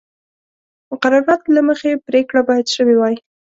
مقرراتو له مخې پرېکړه باید شوې وای.